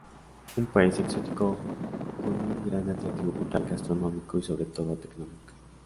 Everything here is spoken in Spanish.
Un país exótico con un gran atractivo cultural, gastronómico y sobre todo tecnológico.